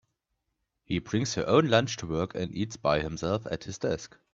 He brings her own lunch to work, and eats by himself at his desk.